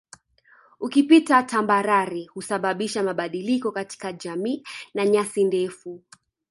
Ukipita tambarare husababisha mabadiliko katika jami na nyasi ndefu